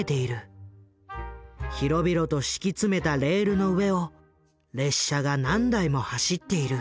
広々と敷き詰めたレールの上を列車が何台も走っている。